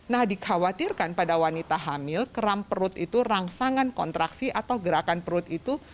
nah dikhawatirkan pada wanita hamil keram perut itu rangsangan kontraksi atau gerakan perut itu